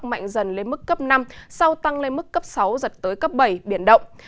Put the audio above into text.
mạnh dần lên mức cấp năm sau tăng lên mức cấp sáu giật tới cấp bảy biển động